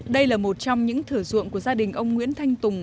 đây là một trong những thửa ruộng của gia đình ông nguyễn thanh tùng